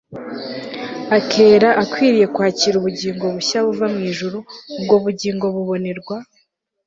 akera akwiriye kwakirubugingo bushya buva mw ijuru Ubgo bugingo bubonerwa